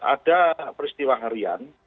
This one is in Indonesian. ada peristiwa harian